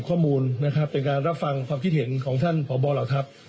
ความคิดเห็นของท่านผอบเหล้าทรัพย์